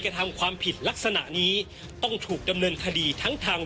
กระทำความผิดลักษณะนี้ต้องถูกดำเนินคดีทั้งทาง